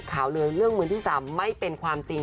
ข่าวลือเรื่องมือที่๓ไม่เป็นความจริง